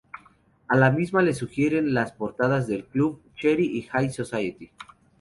A la misma le siguieron las portadas de Club, Cheri y High Society.